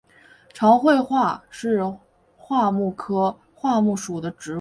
长穗桦是桦木科桦木属的植物。